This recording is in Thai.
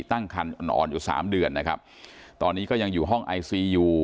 ตั้งคันอ่อนอ่อนอยู่สามเดือนนะครับตอนนี้ก็ยังอยู่ห้องไอซียู